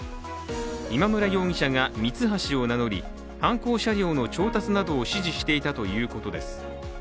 今村容疑者がミツハシを名乗り犯行車両の調達などを指示していたということです。